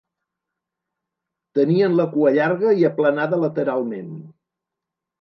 Tenien la cua llarga i aplanada lateralment.